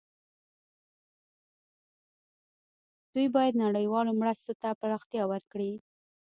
دوی باید نړیوالو مرستو ته پراختیا ورکړي.